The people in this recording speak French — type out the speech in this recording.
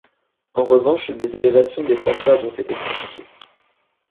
En revanche, les élévations des façades ont été critiquées.